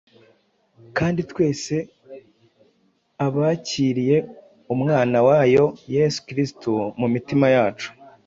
kandi twese abakiriye umwana wayo Yesu Kristo mu mitima yacu,